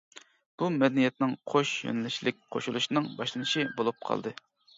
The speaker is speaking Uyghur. بۇ مەدەنىيەتنىڭ قوش يۆنىلىشلىك قوشۇلۇشنىڭ باشلىنىشى بولۇپ قالدى.